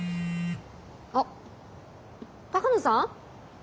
あっ鷹野さん？